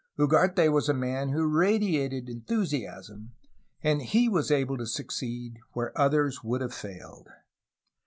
Ugarte was a man who radiated enthusiasm, and he wa s able to succeed where others would have failed.